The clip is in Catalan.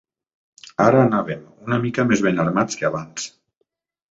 Ara anàvem una mica més ben armats que abans